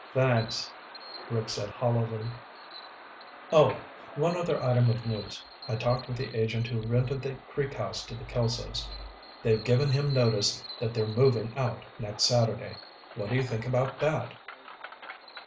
"Thanks," Rick said hollowly. "Oh, one other item of news. I talked with the agent who rented the Creek House to the Kelsos. They've given him notice that they're moving out next Saturday. What do you think about that?"